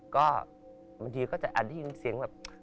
ก็บางทีก็จะอาจได้ยินเสียงแบบ